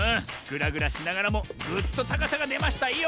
ぐらぐらしながらもぐっとたかさがでましたよ！